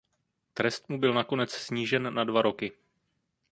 Trest mu byl nakonec snížen na dva roky.